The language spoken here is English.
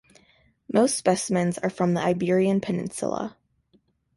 Most specimens are from the Iberian Peninsula.